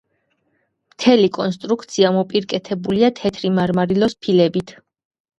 მთელი კონსტრუქცია მოპირკეთებულია თეთრი მარმარილოს ფილებით.